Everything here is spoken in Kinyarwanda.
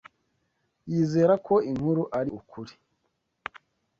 Yizera ko inkuru ari ukuri.